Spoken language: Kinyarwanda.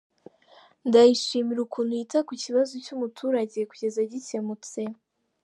Ndayishimira ukuntu yita ku kibazo cy’umuturage kugeza gikemutse.